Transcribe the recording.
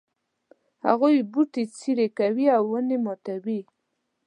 هغوی بوټي څیري کوي او ونې ماتوي